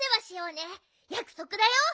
やくそくだよ。